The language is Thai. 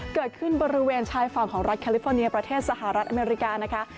เกิดขึ้นบริเวณชายฝั่งของรัฐแคลิฟอร์เนียประเทศสหรัฐอเมริกานะคะ